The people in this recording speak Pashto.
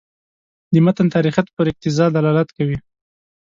د متن تاریخیت پر اقتضا دلالت کوي.